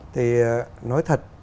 thì nói thật